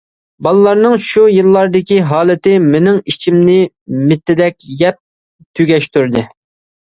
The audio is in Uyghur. بالىلارنىڭ شۇ يىللاردىكى ھالىتى مېنىڭ ئىچىمنى مىتىدەك يەپ تۈگەشتۈردى.